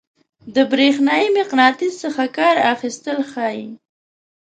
د برېښنايي مقناطیس څخه کار اخیستل ښيي.